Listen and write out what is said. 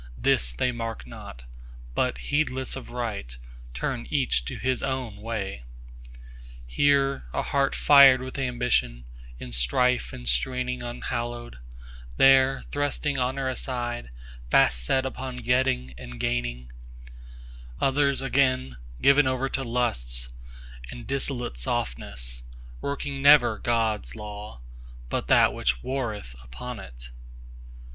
This they mark not, but heedless of right, turn each to his own way, Here, a heart fired with ambition, in strife and straining unhallowed;25There, thrusting honour aside, fast set upon getting and gaining; Others again given over to lusts and dissolute softness, Working never God's Law, but that which warreth upon it.